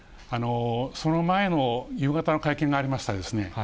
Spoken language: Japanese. その前の夕方の会見がありましたですね。